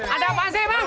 ada apaan sih emang